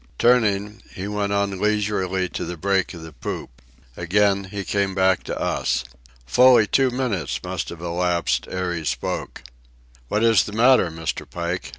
Turning, he went on leisurely to the break of the poop. Again he came back to us. Fully two minutes must have elapsed ere he spoke. "What is the matter, Mr. Pike?